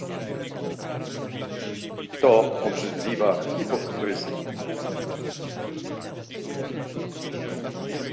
To obrzydliwa hipokryzja